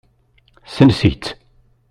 Sens-itt.